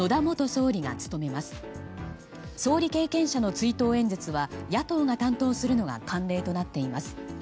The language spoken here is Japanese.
総理経験者の追悼演説は野党が担当するのが慣例となっています。